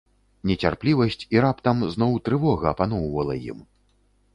Нецярплівасць і раптам зноў трывога апаноўвала ім.